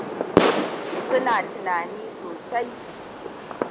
Suna tunani sosai.